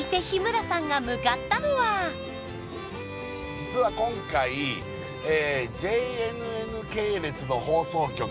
実は今回ＪＮＮ系列の放送局